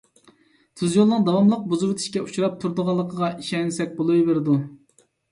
تۈز يولنىڭ داۋاملىق بۇزۇۋېتىشكە ئۇچراپ تۇرۇدىغانلىقىغا ئىشەنسەك بولىۋېرىدۇ.